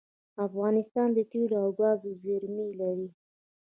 افغانستان د تیلو او ګازو زیرمې لري